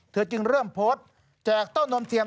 จึงเริ่มโพสต์แจกเต้านมเทียม